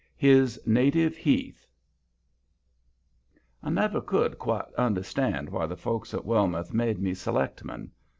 HIS NATIVE HEATH I never could quite understand why the folks at Wellmouth made me selectman.